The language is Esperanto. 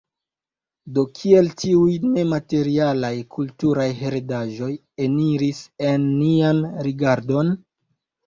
Do kiel tiuj nematerialaj kulturaj heredaĵoj eniris en nian rigardon?